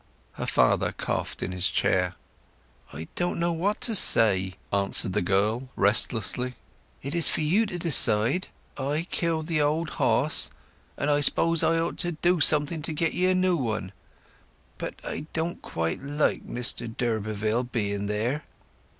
Her father coughed in his chair. "I don't know what to say!" answered the girl restlessly. "It is for you to decide. I killed the old horse, and I suppose I ought to do something to get ye a new one. But—but—I don't quite like Mr d'Urberville being there!"